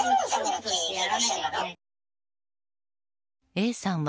Ａさんは